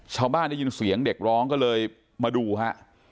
ได้ยินเสียงเด็กร้องก็เลยมาดูฮะ